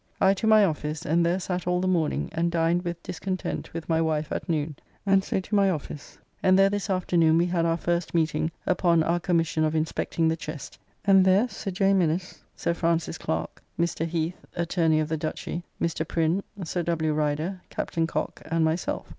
I to my office, and there sat all the morning and dined with discontent with my wife at noon, and so to my office, and there this afternoon we had our first meeting upon our commission of inspecting the Chest, and there met Sir J. Minnes, Sir Francis Clerke, Mr. Heath, Atturney of the Dutchy, Mr. Prinn, Sir W. Rider, Captn. Cocke, and myself.